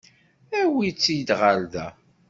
Awit-tt-id ɣer da.